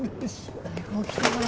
早く起きてほら。